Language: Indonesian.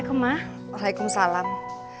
ih apaan sih kamu